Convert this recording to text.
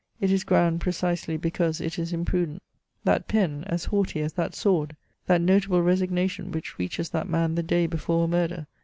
It is grand, precisely because it is imprudent. That pen, as CHATEAUBRIAND. 1 9 haughty as that sword ! that notahle resignation which reaches that man the day hefore a murder